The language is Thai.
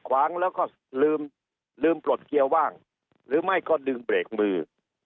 ขวางแล้วก็ลืมลืมปลดเกียร์ว่างหรือไม่ก็ดึงเบรกมือ